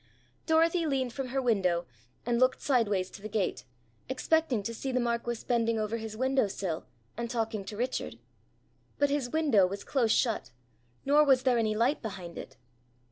Dorothy leaned from her window, and looked sideways to the gate, expecting to see the marquis bending over his window sill, and talking to Richard. But his window was close shut, nor was there any light behind it.